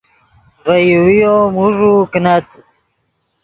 ڤے یوویو موݱوؤ کینت